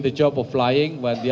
tidak berjalan dengan baik